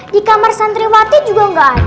di kamar santri wati juga gak ada